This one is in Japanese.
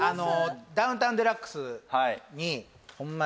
「ダウンタウンＤＸ」にホンマ